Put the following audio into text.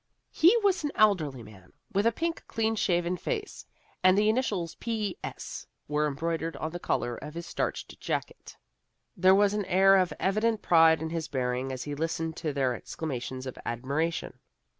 He was an elderly man with a pink clean shaven face and the initials P. S. were embroidered on the collar of his starched jacket. There was an air of evident pride in his bearing as he listened to their exclamations of admiration.